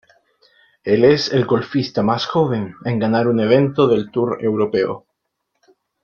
Él es el golfista más joven en ganar un evento del Tour Europeo.